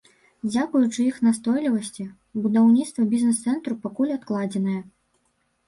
Дзякуючы іх настойлівасці, будаўніцтва бізнэс-цэнтру пакуль адкладзенае.